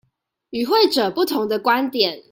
與會者不同的觀點